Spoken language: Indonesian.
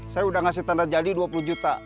saya udah ngasih tanda jadi dua puluh juta